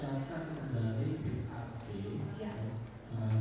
selalu ada sisi ya